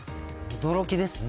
驚きですね。